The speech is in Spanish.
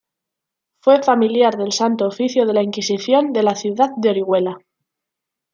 Fue Familiar del Santo Oficio de la Inquisición de la ciudad de Orihuela.